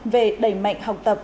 về đẩy mạnh học tập